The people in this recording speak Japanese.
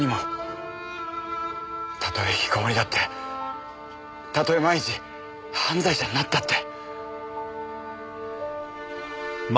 たとえ引きこもりだってたとえ万一犯罪者になったって。